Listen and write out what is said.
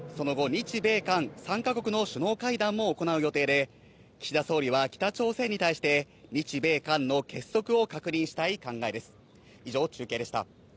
その後、日米韓３ヶ国の首脳会談も行う予定で、岸田総理は北朝鮮に対して日米韓の結束を確認したい考えです。